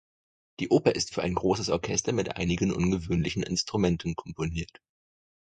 Die Oper ist für ein großes Orchester mit einigen ungewöhnlichen Instrumenten komponiert.